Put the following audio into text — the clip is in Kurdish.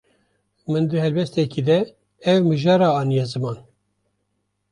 Min di helbestekî de ev mijara aniye ziman.